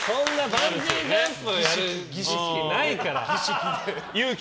バンジージャンプやるのないから。